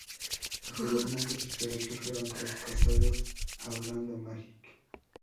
Posteriormente sus derechos fueron traspasados a Orlando Magic.